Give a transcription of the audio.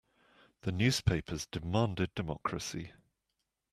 The newspapers demanded democracy.